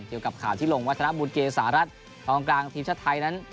เกี่ยวกับข่าวที่ลงวัฒนบุญเกษารัฐกองกลางทีมชาติไทยนั้น